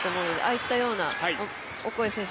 あいったようなオコエ選手